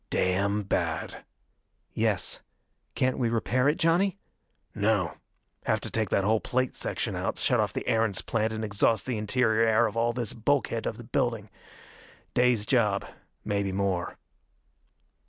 "Damn bad!" "Yes. Can't we repair it, Johnny?" "No. Have to take that whole plate section out, shut off the Erentz plant and exhaust the interior air of all this bulkhead of the building. Day's job maybe more."